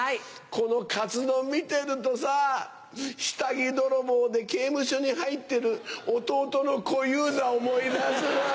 このかつ丼見てるとさ下着泥棒で刑務所に入ってる弟の小遊三思い出すなぁ。